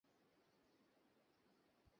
এবং মনে হচ্ছে তারা এই বছর ভালো পজিশনে আছে।